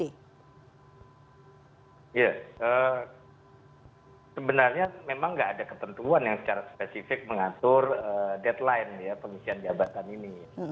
ya sebenarnya memang nggak ada ketentuan yang secara spesifik mengatur deadline ya pengisian jabatan ini